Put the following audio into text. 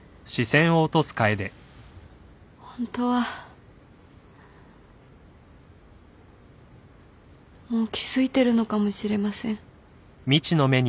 ホントはもう気付いてるのかもしれません。